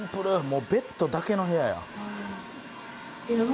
もうベッドだけの部屋や。